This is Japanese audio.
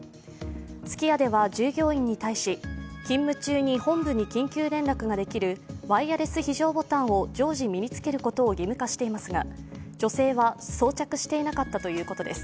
すき家では従業員に対し勤務中に本部に緊急連絡ができるワイヤレス非常ボタンを常時身につけることを義務化していますが女性は装着していなかったということです。